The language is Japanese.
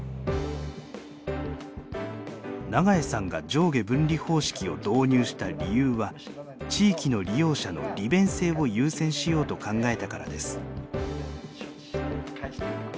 永江さんが上下分離方式を導入した理由は地域の利用者の利便性を優先しようと考えたからです。